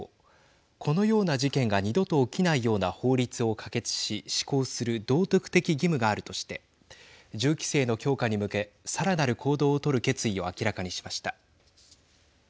このような事件が２度と起きないような法律を可決し施行する道徳的義務があるとして銃規制の強化に向けさらなる行動をとる決意を明らかにしました。